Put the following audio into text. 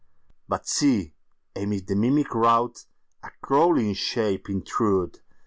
But see, amid the mimic routA crawling shape intrude!